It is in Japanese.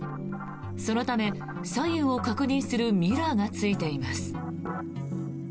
そのため左右を確認するミラーがついています。